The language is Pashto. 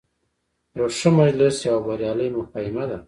یو ښه مجلس یوه بریالۍ مفاهمه ده.